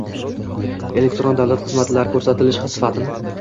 elektron davlat xizmatlari ko‘rsatilishi sifatini